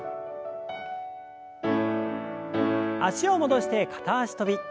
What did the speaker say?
脚を戻して片脚跳び。